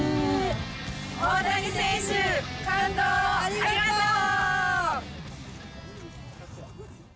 大谷選手、感動をありがとう！